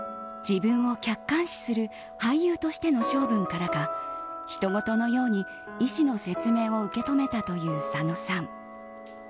自分を客観視する俳優としての性分からかひとごとのように、医師の説明を受け止めたという佐野さん。